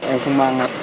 em không mang